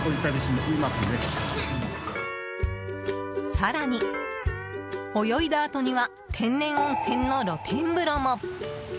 更に、泳いだあとには天然温泉の露天風呂も。